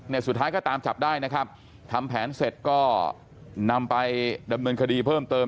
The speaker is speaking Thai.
สุดท้ายก็ตามจับได้นะครับทำแผนเสร็จก็นำไปดำเนินคดีเพิ่มเติม